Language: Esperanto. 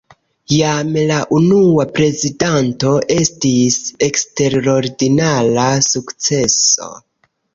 Jam la unua prezentado estis eksterordinara sukceso.